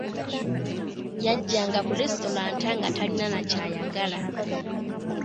Yajjanga ku leesitulanta nga talina na kyayagala.